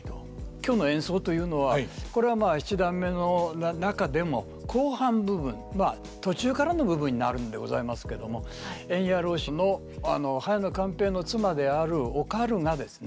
今日の演奏というのはこれはまあ七段目の中でも後半部分まあ途中からの部分になるんでございますけども塩冶浪士の早野勘平の妻であるおかるがですね